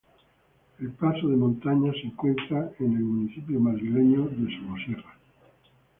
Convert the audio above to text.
El paso de montaña se encuentra en el municipio madrileño de Somosierra.